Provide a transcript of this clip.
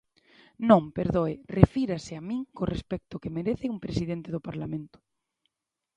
Non, perdoe, refírase a min co respecto que merece un presidente do Parlamento.